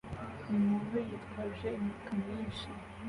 Umuntu yitwaje imifuka myinshi